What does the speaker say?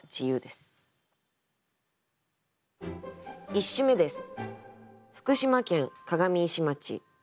１首目です。